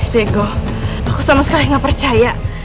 diego aku sama sekali nggak percaya